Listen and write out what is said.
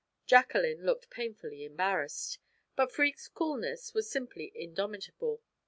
Jacqueline looked painfully embarrassed, but Freke's coolness was simply indomitable.